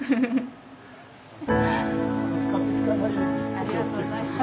ありがとうございます。